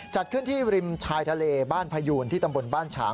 จัดขึ้นที่ริมชายทะเลบ้านพยูนที่ตำบลบ้านฉาง